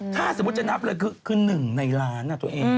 ถ้าสมมุติจะนับเลยคือ๑ในล้านตัวเอง